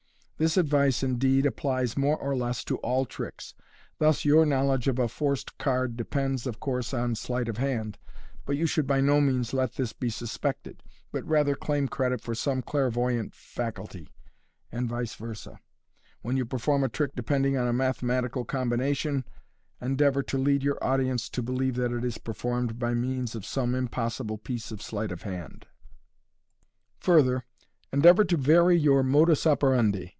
This advice, indeed, applies more or less to all tricks. Thus your knowledge of a forced card depends, of course, on sleight of hand * but you should by no means let this be suspected* but rather claim credit for some clairvoyant faculty j and 10 MODERN MAGIC. pice versd, when you perform a trick depending on • mathematical combination, endeavour to lead your audience to believe that it is performed by means of some impossible piece of sleight of hand. Further, endeavour to vary your modus operandi.